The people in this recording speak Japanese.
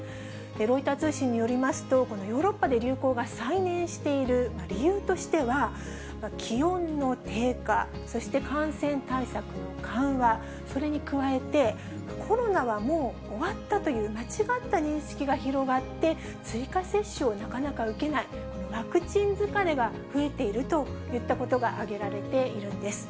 ロイター通信によりますと、このヨーロッパで流行が再燃している理由としては、気温の低下、そして感染対策の緩和、それに加えて、コロナはもう終わったという間違った認識が広がって、追加接種をなかなか受けない、ワクチン疲れが増えているといったことが挙げられているんです。